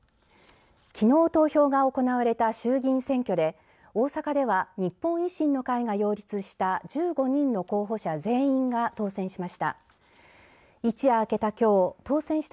きのう、投票が行われた衆議院選挙で大阪では日本維新の会が擁立した１５人の候補者全員が当選しました。